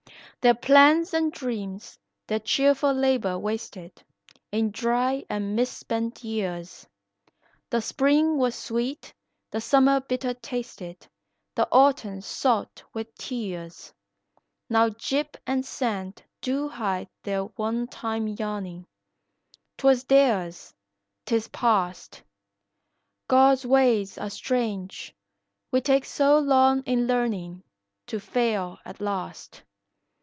Their plans and dreams, their cheerful labor wasted In dry and mis spent years; The spring was sweet, the summer bitter tasted, The autumn salt with tears. Now "gyp" and sand do hide their one time yearnin'; 'Twas theirs; 'tis past. God's ways are strange, we take so long in learnin', To fail at last.